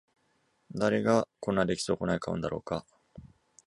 誰がこんな出来損ない買うんだろうか